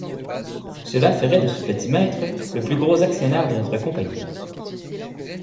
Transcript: Cela ferait de ce petit maître le plus gros actionnaire de notre Compagnie.